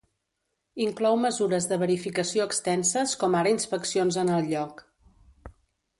Inclou mesures de verificació extenses com ara inspeccions en el lloc.